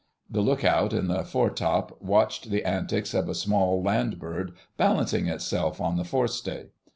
The look out in the foretop watched the antics of a small land bird balancing itself on the forestay.